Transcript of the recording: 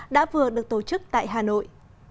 đã vừa được tổ chức tại hà nội